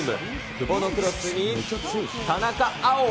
久保のクロスに、田中碧。